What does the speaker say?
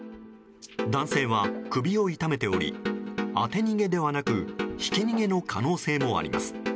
男性は首を痛めており当て逃げではなくひき逃げの可能性もあります。